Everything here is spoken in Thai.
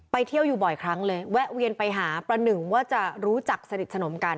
เที่ยวอยู่บ่อยครั้งเลยแวะเวียนไปหาประหนึ่งว่าจะรู้จักสนิทสนมกัน